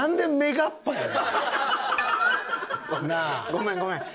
ごめんごめん。